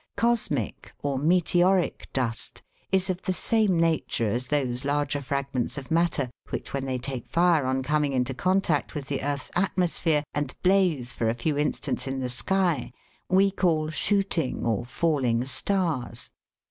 Cosmic or meteoric dust (Fig. i) is of the same nature as those larger fragments of matter which, when they take fire on coming into contact with the earth's atmosphere, and blaze for a few instants in the sky, we call "shooting" or " falling" stars.